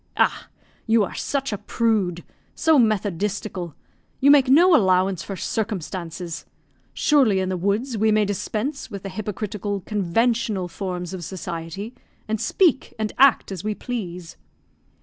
"Ah, you are such a prude so methodistical you make no allowance for circumstances! Surely, in the woods we may dispense with the hypocritical, conventional forms of society, and speak and act as we please."